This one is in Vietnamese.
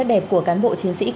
đó là mục tiêu mà thượng lý